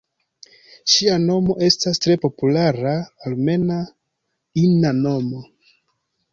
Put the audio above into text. Ŝia nomo estas tre populara armena ina nomo.